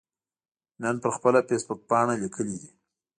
نن پر خپله فیسبوکپاڼه لیکلي دي